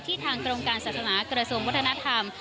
ทางกรมการศาสนากระทรวงวัฒนธรรม